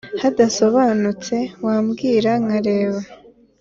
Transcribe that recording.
hadasobanutse wabwira nkareba